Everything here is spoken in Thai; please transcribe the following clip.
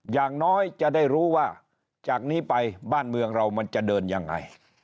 อย่างน้อยจะได้รู้ว่าจากนี้ไปบ้านเมืองเรามันจะเดินยังไง